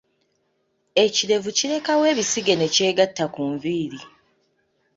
Ekirevu kirekawo ebisige ne kyegatta ku nviiri.